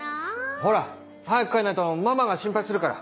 ほら早く帰らないとママが心配するから。